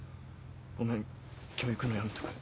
ごめん今日行くのやめとく。